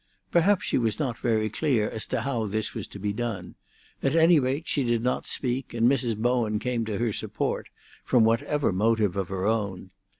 Perhaps she was not very clear as to how this was to be done; at any rate she did not speak, and Mrs. Bowen came to her support, from whatever motive of her own.